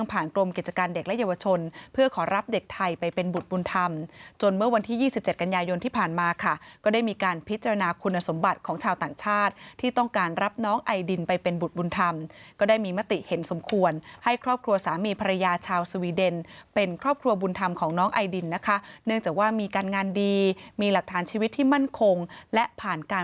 กรมกิจการเด็กและเยาวชนเพื่อขอรับเด็กไทยไปเป็นบุตรบุญธรรมจนเมื่อวันที่๒๗กันยายนที่ผ่านมาค่ะก็ได้มีการพิจารณาคุณสมบัติของชาวต่างชาติที่ต้องการรับน้องไอดินไปเป็นบุตรบุญธรรมก็ได้มีมติเห็นสมควรให้ครอบครัวสามีภรรยาชาวสวีเดนเป็นครอบครัวบุญธรรมของน้องไอดินนะคะเนื่องจากว่ามีการงานดีมีหลักฐานชีวิตที่มั่นคงและผ่านการ